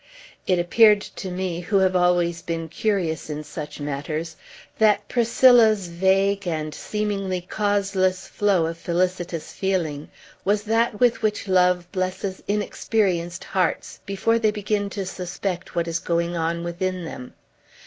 It appeared to me, who have always been curious in such matters, that Priscilla's vague and seemingly causeless flow of felicitous feeling was that with which love blesses inexperienced hearts, before they begin to suspect what is going on within them.